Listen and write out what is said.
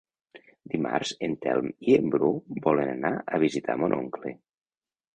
Dimarts en Telm i en Bru volen anar a visitar mon oncle.